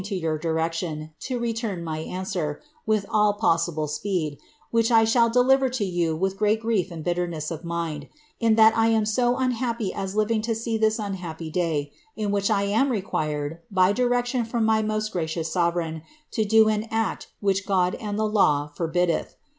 to your direction, to return my answer, mil possible speed, which I shall deliver to you with great grief and bitter df mind, io that I am so unhappy as living to see this unhappy day, in li I am require<l, by direction from my most gracious sovereign, to do ap 'hich God and the law forbiddeth.